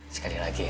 terima kasih bu